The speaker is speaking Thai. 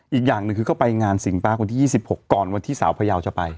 อีกอย่างหนึ่งคือเข้าไปงานสิงห์ป้าคนที่ยี่สิบหกก่อนวันที่สาวพระยาวจะไป